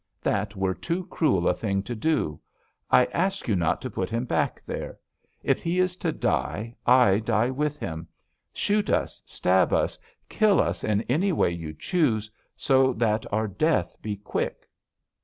That were too cruel a thing to do. I ask you not to put him back there. If he is to die, I die with him. Shoot us, stab us, kill us in any way you choose, so that our death be quick!'